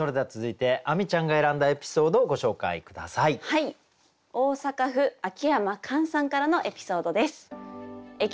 大阪府秋山寛さんからのエピソードです。